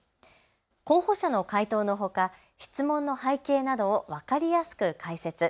候補者の回答のほか、質問の背景などを分かりやすく解説。